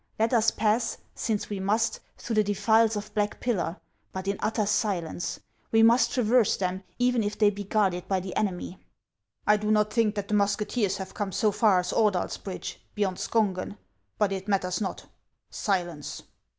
Let us pass, since we must, through the defiles of Black Pillar, but in utter silence. We must traverse them, even if they be guarded by the enemy." " I do not think that the musketeers have come so far HANS OF ICELAND. 385 as Ordals bridge, beyond Skongen ; but it matters not. Silence